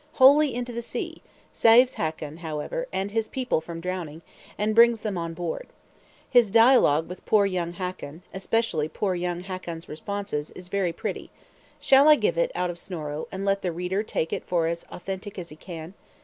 Wholly into the sea; saves Hakon, however, and his people from drowning, and brings them on board. His dialogue with poor young Hakon, especially poor young Hakon's responses, is very pretty. Shall I give it, out of Snorro, and let the reader take it for as authentic as he can?